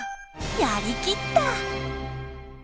やり切った。